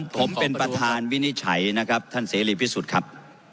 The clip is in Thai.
ผมเป็นประธานวินิจฉัยนะครับท่านเสรีพิสุทธิ์ครับ